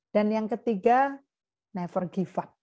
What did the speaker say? dan yang ketiga never give up